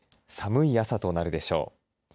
寒い朝となるでしょう。